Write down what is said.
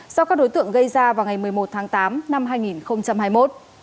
do các đối tượng gây ra vào ngày một mươi một tháng tám năm hai nghìn hai mươi một